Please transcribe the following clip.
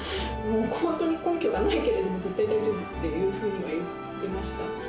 本当に根拠はないけれども、絶対大丈夫っていうふうには言ってました。